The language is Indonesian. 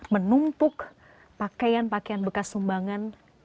menumpuk pakaian pakaian bekas sumbangan